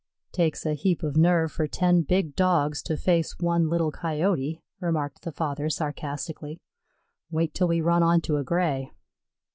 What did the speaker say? "Takes a heap of nerve for ten big Dogs to face one little Coyote," remarked the father, sarcastically. "Wait till we run onto a Gray."